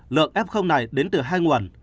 lượng f này đến từ hai nguồn